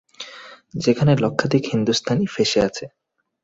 যেখানে লক্ষাধিক হিন্দুস্তানি ফেঁসে আছে।